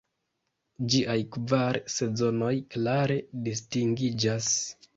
Ĝiaj kvar sezonoj klare distingiĝas.